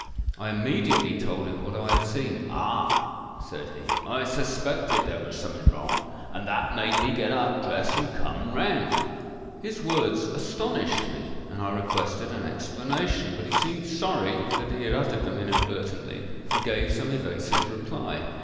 I immediately told him what I had seen.—'Ah!' said he, 'I suspected there was something wrong, and that made me get up, dress, and come round.'—His words astonished me; and I requested an explanation; but he seemed sorry that he had uttered them inadvertently, and gave some evasive reply.